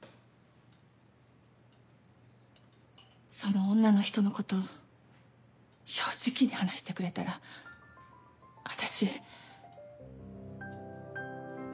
その女の人のこと正直に話してくれたら私。